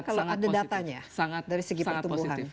kalau ada datanya sangat positif